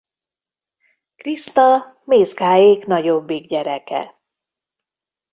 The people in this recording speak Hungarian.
Kriszta Mézgáék nagyobbik gyereke.